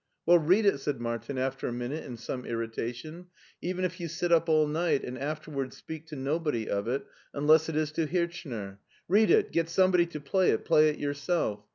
" Well, read it," said Martin after a minute in some irritation, "even if you sit up all night, and after wards speak to nobody of it, unless it is to Hirchner. Read it, get somebody to play it, play it yourself.